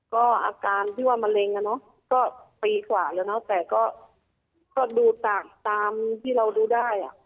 ก็อาการที่ว่ามะเร็งอ่ะเนอะก็ปีกว่าแล้วเนอะแต่ก็ดูตามที่เราดูได้อ่ะ